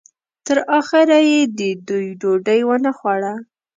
تر اخره یې د دوی ډوډۍ ونه خوړه.